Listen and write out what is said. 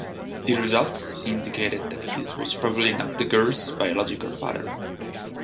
The results indicated that he was probably not the girl's biological father.